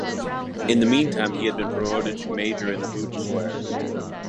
In the meantime he had been promoted to Major in the Bundeswehr.